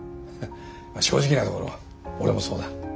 まあ正直なところ俺もそうだ。